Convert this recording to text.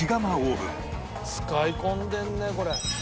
使い込んでるねこれ。